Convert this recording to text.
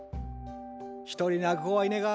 一人泣く子はいねが。